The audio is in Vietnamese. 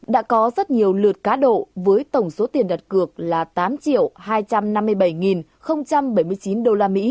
đã có rất nhiều lượt cá độ với tổng số tiền đặt cược là tám hai trăm năm mươi bảy bảy mươi chín usd